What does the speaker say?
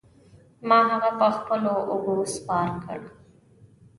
ما هغه په خپلو اوږو سپار کړ.